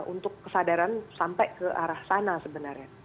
untuk kesadaran sampai ke arah sana sebenarnya